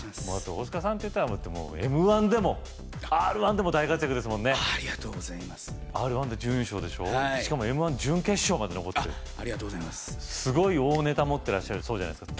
大須賀さんっていったらもうＭ−１でもＲ−１でも大活躍ですありがとうございますＲ−１で準優勝しかもＭ−１準決勝まで残ってあっすごい大ネタ持ってらっしゃるそうじゃないですか